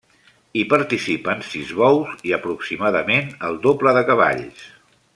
Hi participen sis bous i aproximadament el doble de cavalls.